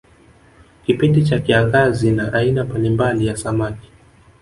Kipindi cha kiangazi na aina mbalimbali ya samaki